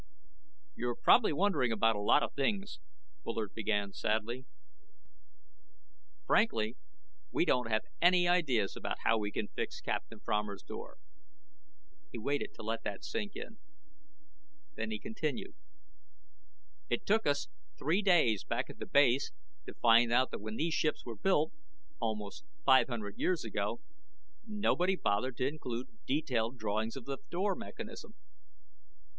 "You're probably wondering about a lot of things," Bullard began sadly. "Frankly, we don't have any ideas about how we can fix Captain Fromer's door." He waited to let that sink in. Then he continued: "It took us three days back at the base to find out that when these ships were built, almost five hundred years ago, nobody bothered to include detail drawings of the door mechanism."